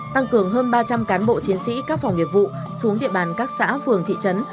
tăng cường hơn ba trăm linh cán bộ chiến sĩ các phòng nghiệp vụ xuống địa bàn các xã phường thị trấn